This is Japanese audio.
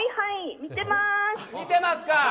見てます。